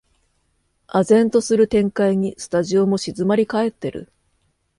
唖然とする展開にスタジオも静まりかえってる